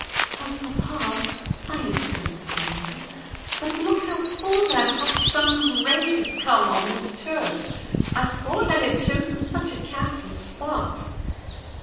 "Oh, papa! I am so sorry. But look how full that hot sun's rays come on this turf. I thought I had chosen such a capital spot!"